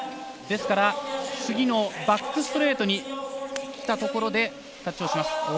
ですから、次のバックストレートにきたところでタッチをしました。